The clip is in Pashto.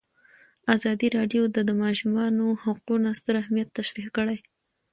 ازادي راډیو د د ماشومانو حقونه ستر اهميت تشریح کړی.